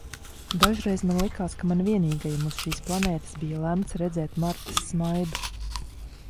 Dažreiz man likās, ka man vienīgajam uz šīs planētas bija lemts redzēt Martas smaidu.